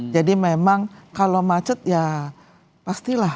jadi memang kalau macet ya pastilah